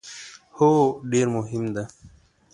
هو، ډیر مهم ده